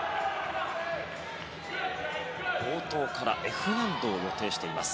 冒頭からＦ難度を予定しています。